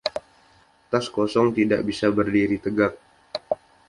Tas kosong tidak bisa berdiri tegak.